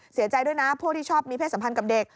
เสียใจด้วยนะพวกที่ชอบมีเพศสัมพันธ์กับเด็ก